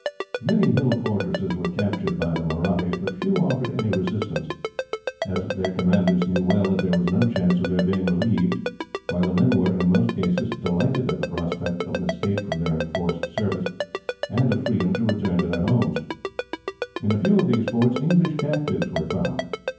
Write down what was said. Many hill fortresses were captured by the Mahrattis, but few offered any resistance; as their commanders knew well that there was no chance of their being relieved, while the men were, in most cases, delighted at the prospect of an escape from their enforced service, and of freedom to return to their homes. In a few of these forts, English captives were found.